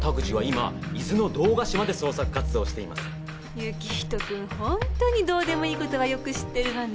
行人君ホントにどうでもいいことはよく知ってるわね。